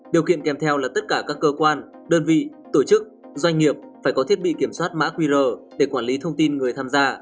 điều kiện kèm theo là tất cả các cơ quan đơn vị tổ chức doanh nghiệp phải có thiết bị kiểm soát mã qr để quản lý thông tin người tham gia